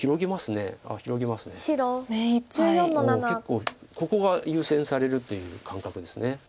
結構ここが優先されるという感覚です。